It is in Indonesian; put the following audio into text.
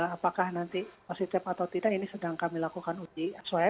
apakah nanti positif atau tidak ini sedang kami lakukan uji swab